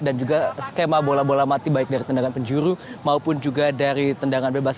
dan juga skema bola bola mati baik dari tendangan penjuru maupun juga dari tendangan bebas